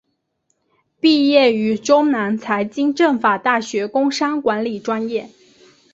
毕业于中南财经政法大学工商管理专业。